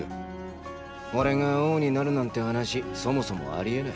俺が王になるなんて話そもそもありえない。